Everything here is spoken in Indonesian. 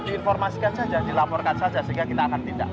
diinformasikan saja dilaporkan saja sehingga kita akan tindak